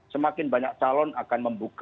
semakin banyak calon akan membuka